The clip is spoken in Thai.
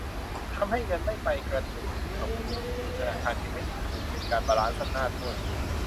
ทำให้เงินไม่ไปกระจุกอยู่กับกลุ่มทุนธนาคารเพียงไม่กี่กลุ่ม เป็นการบาลานซ์อำนาจด้วย